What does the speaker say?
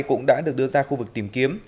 cũng đã được đưa ra khu vực tìm kiếm